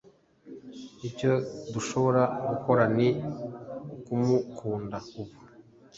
icyo dushobora gukora ni ukumukunda ubu,